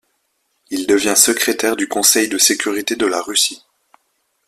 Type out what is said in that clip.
Il devient secrétaire du Conseil de sécurité de la Russie.